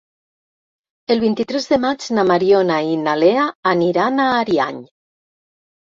El vint-i-tres de maig na Mariona i na Lea aniran a Ariany.